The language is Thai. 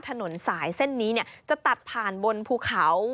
ถนนสายเส้นนี้จะตัดผ่านบนภูเขา